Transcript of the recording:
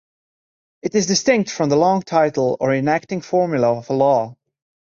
It is distinct from the long title or enacting formula of a law.